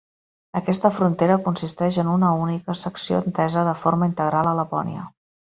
Aquesta frontera consisteix en una única secció entesa de forma integral a Lapònia.